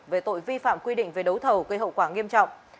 về tội vi phạm quy định về đấu thầu gây hậu quả nghiêm trọng